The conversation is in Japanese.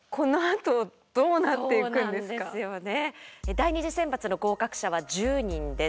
第２次選抜の合格者は１０人です。